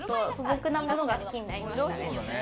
今はちょっと素朴なものが好きになりましたね。